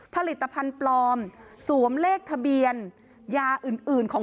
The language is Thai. ๓ผลิตภัณฑ์ปลอมสูมเลขทะเบียน